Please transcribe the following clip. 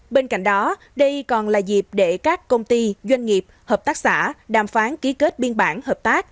bên cạnh đó đây còn là dịp để các công ty doanh nghiệp hợp tác xã đàm phán ký kết biên bản hợp tác